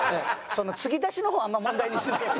その継ぎ足しの方あんま問題にしない。